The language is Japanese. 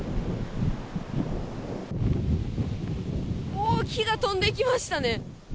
おお、木が飛んできましたね。